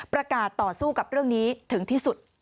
ต่อสู้กับเรื่องนี้ถึงที่สุด